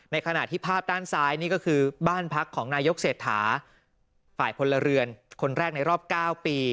ขณะที่ภาพด้านซ้ายนี่ก็คือบ้านพักของนายกเศรษฐาฝ่ายพลเรือนคนแรกในรอบ๙ปี